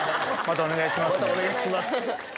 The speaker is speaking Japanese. またお願いします。